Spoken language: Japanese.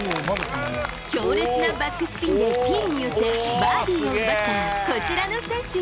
強烈なバックスピンでピンに寄せ、バーディーを奪ったこちらの選手。